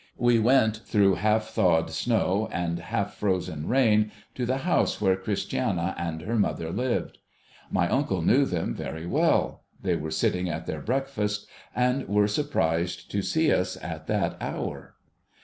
We went, through half thawed snow and half frozen rain, to the house where Christiana and her mother lived. My uncle knew them very well. They were sitting at their breakfast, and were surprised to see us at that hour.